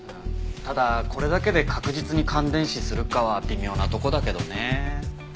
ただこれだけで確実に感電死するかは微妙なとこだけどね。